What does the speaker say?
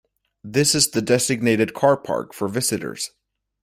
This is the designated car park for visitors.